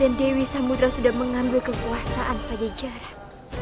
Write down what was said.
dan dewi samudra sudah mengambil kekuasaan pada jalan